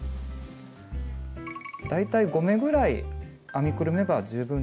大体５目ぐらい編みくるめば十分です。